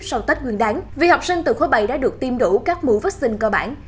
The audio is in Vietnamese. sau tết nguyên đán vì học sinh từ khối bảy đã được tiêm đủ các mũ vắc xin cơ bản